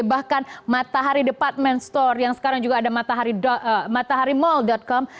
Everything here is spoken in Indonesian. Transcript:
bahkan matahari department store yang sekarang juga ada mataharimall com